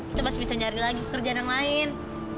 kita masih bisa nyari lagi kerjaan yang lain